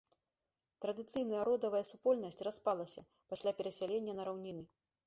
Традыцыйная родавая супольнасць распалася пасля перасялення на раўніны.